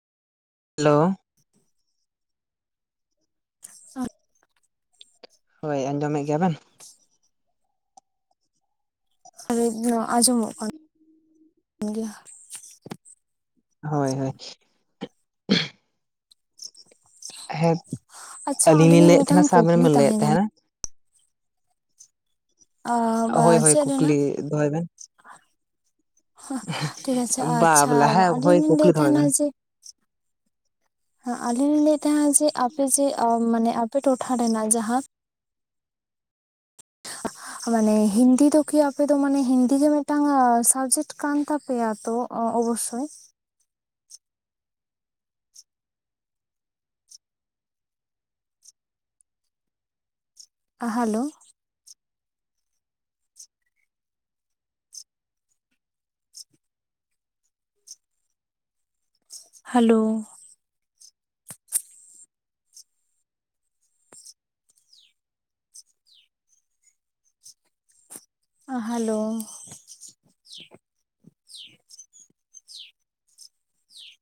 Hello. [inaudible] ᱦᱳᱭ ᱟᱸᱡᱚᱢᱮᱫ ᱜᱮᱭᱟ ᱵᱮᱱ? [inaudible] ᱟᱸᱡᱚᱢᱚᱜ ᱠᱟᱱ ᱜᱮᱭᱟ᱾ ᱦᱳᱭ -ᱦᱳᱭ ᱥ-ᱩ-ᱜ ᱾ ᱦᱮᱸᱴ ᱟᱪᱪᱷᱟ ᱟᱹᱞᱤᱧ ᱞᱤᱧ ᱟᱹᱞᱤᱧᱟᱜ ᱞᱟᱹᱭᱮᱫ ᱛᱟᱦᱮᱱᱟ ᱢᱤᱫᱴᱟᱝ ᱥᱮ ᱟᱵᱮᱱ ᱠᱩᱠᱞᱤ ᱵᱮᱱ ᱞᱟᱹᱭᱮᱫ ᱛᱟᱦᱮᱸ ᱠᱟᱱᱟ ᱛᱟᱦᱮᱱᱟ? ᱟᱣ-ᱵᱟ ᱦᱳᱭ ᱦᱳᱭ ᱥᱮᱫ ᱠᱩᱠᱞᱤ ᱨᱮᱱᱟᱜ [inaudible] ᱫᱚᱦᱚᱭ ᱾ ᱷᱟᱦ-ᱥ-ᱟᱜ ᱴᱷᱤᱠ ᱟᱪᱷᱮ ᱵᱮᱱ ᱵᱟ ᱟᱪ-ᱪᱷᱟ ᱵᱚᱞᱮ ᱦᱮᱸ ᱦᱳᱭ ᱟᱹᱞᱤᱧ ᱞᱤᱧ ᱠᱩᱠᱞᱤ ᱞᱟᱹᱭᱮᱫ ᱫᱚᱦᱚᱭ ᱵᱮᱱ ᱛᱟᱦᱮᱱᱟ ᱡᱮ ᱟᱸ ᱟᱞᱤᱧ ᱞᱤᱧ ᱞᱟᱹᱭᱮᱫ ᱛᱟᱦᱮᱸᱱᱟ ᱡᱮ ᱟᱯᱮ ᱡᱮ ᱢᱟᱱᱮ ᱟᱯᱮ ᱴᱚᱴᱷᱟ ᱨᱮᱱᱟᱜ ᱡᱟᱦᱟᱸ ᱪᱷᱟ-ᱦᱟᱜ-ᱟ ᱾ [unintelligible] ᱢᱟᱱᱮ ᱦᱤᱱᱫᱤ ᱫᱚᱠᱤ ᱟᱯᱮ ᱫᱚ ᱢᱟᱱᱮ ᱦᱤᱱᱫᱤ ᱜᱮ ᱢᱤᱫᱴᱟᱝ ᱥᱟᱵᱽᱡᱮᱠᱴ ᱠᱟᱱ ᱛᱟᱯᱮᱭᱟ ᱛᱚ? ᱚ ᱚᱵᱚᱥ-ᱥᱚᱭ ᱾ ᱟᱦᱟᱞᱳ ᱾ ᱦᱮᱞᱳ ᱾ ᱟᱦᱟᱞᱳ ᱾